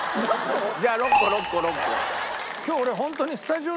じゃあ６個６個６個。